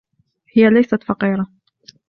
هي ليست فقيرة.